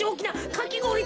かきごおり